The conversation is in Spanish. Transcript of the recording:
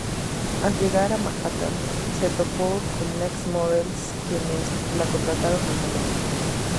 Al llegar a Manhattan, se topó con Next Models, quienes la contrataron al momento.